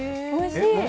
おいしい！